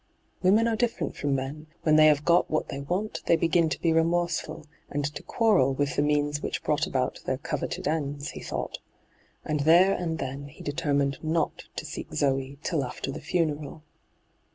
' Women are different from men ; when they have got what they want, they begin to be remorseful, and to quarrel with the means which brought about their coveted ends,' he thought. And there and then he determined not to seek Zoe till after the funeral.